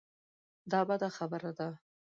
دا بده خبره ده.